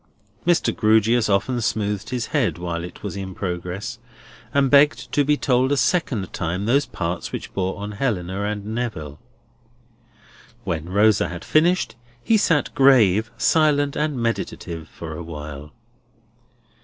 Mr. Grewgious often smoothed his head while it was in progress, and begged to be told a second time those parts which bore on Helena and Neville. When Rosa had finished, he sat grave, silent, and meditative for a while.